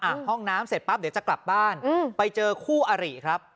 ห้องน้ำเสร็จปั๊บเดี๋ยวจะกลับบ้านอืมไปเจอคู่อาริครับ